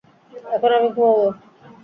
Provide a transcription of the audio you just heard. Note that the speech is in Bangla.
এখন আমি ঘুমাবো।